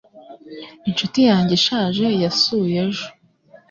Inshuti yanjye ishaje yasuye ejo.